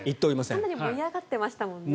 かなり盛り上がってましたもんね。